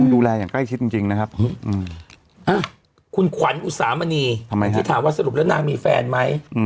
ดูแลอย่างใกล้ชิดจริงนะครับคุณขวัญอุสามณีที่ถามว่าสรุปแล้วนางมีแฟนไหม